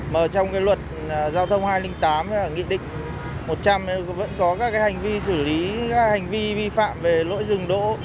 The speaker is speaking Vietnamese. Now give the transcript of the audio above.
mà trong cái luật giao thông hai trăm linh tám nghị định một trăm linh vẫn có các cái hành vi xử lý các hành vi vi phạm về lỗi dừng đỗ